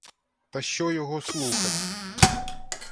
Та що його слухать!